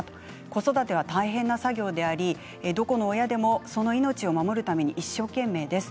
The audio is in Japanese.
子育ては大変な作業でありどこの親でもその命を守るために一生懸命です。